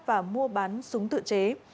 và mua bán súng tự chế